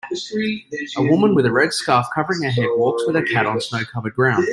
A woman with a red scarf covering her head walks with her cat on snowcovered ground.